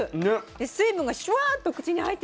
で水分がシュワーッと口に入ってきて甘い。